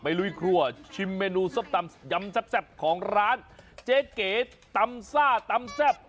ลุยครัวชิมเมนูส้มตำยำแซ่บของร้านเจ๊เก๋ตำซ่าตำแซ่บ